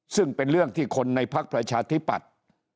ซึ่งเป็นเรื่องที่คนในพักประชาธิปัตย์